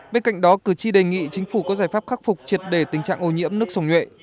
bên cạnh đó cử tri đề nghị chính phủ có giải pháp khắc phục triệt đề tình trạng ô nhiễm nước sổng nhuệ